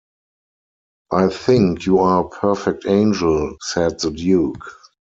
"I think you are a perfect angel," said the Duke.